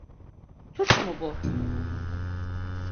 Suç mu bu?